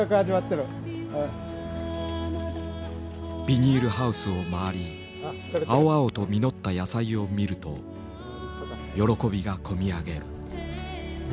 ビニールハウスを回り青々と実った野菜を見ると喜びが込み上げる。